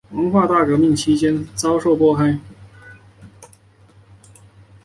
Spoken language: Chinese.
文化大革命期间遭受迫害。